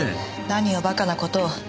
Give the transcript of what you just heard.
何をバカな事を。